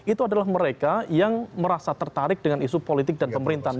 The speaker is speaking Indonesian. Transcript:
itu adalah mereka yang merasa tertarik dengan isu politik dan pemerintahan